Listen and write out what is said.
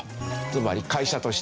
つまり会社として。